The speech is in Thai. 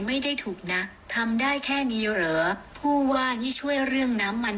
ไม่ได้ถูกนะทำได้แค่นี้เหรอผู้ว่าที่ช่วยเรื่องน้ำมัน